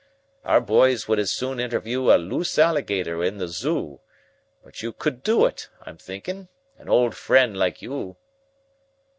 Our boys would as soon interview a loose alligator in the zoo. But you could do it, I'm thinking an old friend like you."